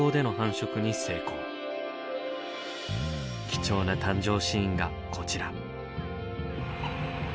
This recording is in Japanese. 貴重な誕生シーンがこちら。